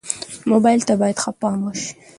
موبایل ته باید ښه پام وشي.